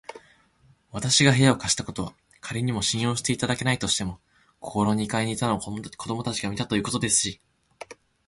わたしが部屋を貸したことは、かりに信用していただけないとしても、ここの二階にいたのを子どもたちが見たということですし、